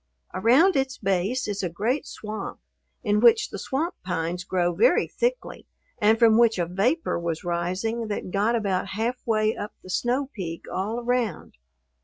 Around its base is a great swamp, in which the swamp pines grow very thickly and from which a vapor was rising that got about halfway up the snow peak all around.